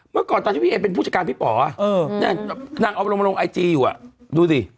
เมื่อก่อนไทยพี่เอซเป็นผู้จัดการพี่ป๋อเออเนี่ยนั่งออกมาลงไอจียูอ่ะดูสิ